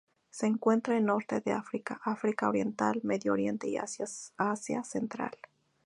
Se encuentra en Norte de África, África oriental, Medio Oriente y Asia central.